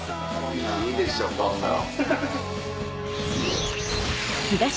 いいでしょこんなの。